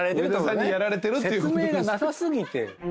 説明がなさ過ぎて。